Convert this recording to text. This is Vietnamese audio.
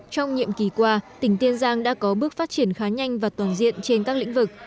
trong nhiệm kỳ qua tỉnh tiên giang đã có bước phát triển khá nhanh và toàn diện trên các lĩnh vực